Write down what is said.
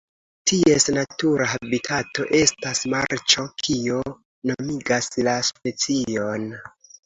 Ties natura habitato estas marĉo kio nomigas la specion.